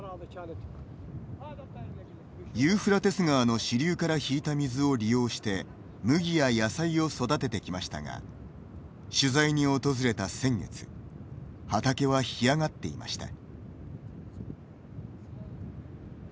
ユーフラテス川の支流から引いた水を利用して麦や野菜を育ててきましたが取材に訪れた先月畑は干上がっていました。